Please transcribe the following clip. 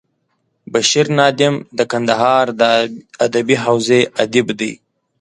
بشیر نادم د کندهار د ادبي حوزې ادیب دی.